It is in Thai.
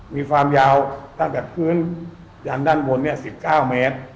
มีความยาวตั้งแต่พื้นยันด้านบน๑๙เมตร